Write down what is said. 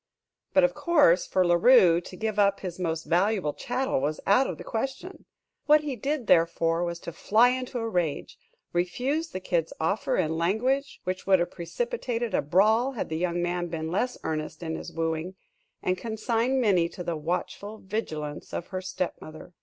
But, of course, for La Rue to give up this most valuable chattel was out of the question. What he did, therefore, was to fly into a rage, refuse the Kid's offer in language which would have precipitated a brawl had the young man been less earnest in his wooing, and consign Minnie to the watchful vigilance of her stepmother.